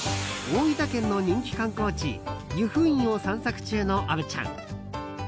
大分県の人気観光地由布院を散策中の虻ちゃん。